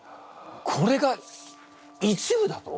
これが一部だと！？